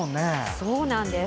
そうなんです。